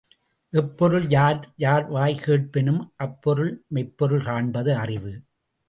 எப்பொருள் யார்யார்வாய்க் கேட்பினும் அப்பொருள் மெய்ப்பொருள் காண்பது அறிவு.